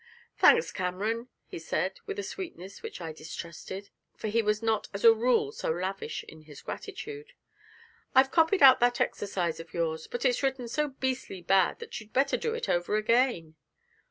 'Thanks, Cameron,' he said, with a sweetness which I distrusted, for he was not as a rule so lavish in his gratitude. 'I've copied out that exercise of yours, but it's written so beastly badly that you'd better do it over again.'